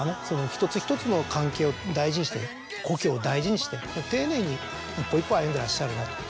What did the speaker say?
一つ一つの関係を大事にして故郷を大事にして丁寧に一歩一歩歩んでらっしゃるなと。